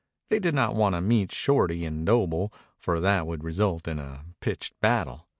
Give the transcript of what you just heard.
They did not want to meet Shorty and Doble, for that would result in a pitched battle.